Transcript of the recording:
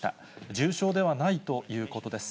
重症ではないということです。